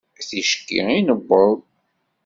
Ticki i newweḍ.